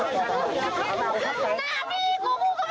มันทำมากอีก